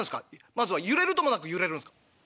まずは揺れるともなく揺れるんすか？